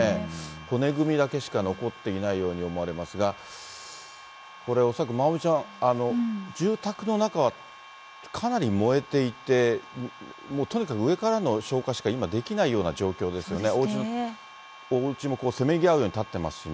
骨組みだけしか残ってないように思われますが、これ、恐らく、まおみちゃん、住宅の中はかなり燃えていて、とにかく上からの消火しか今できないような状況ですよね、おうちもせめぎ合うように建っていますしね。